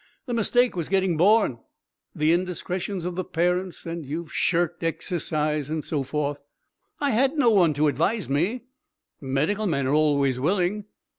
The mistake was getting born. The indiscretions of the parents. And you've shirked exercise, and so forth." "I had no one to advise me." "Medical men are always willing."